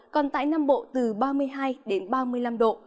còn tại nam bộ từ ba mươi hai đến ba mươi năm độ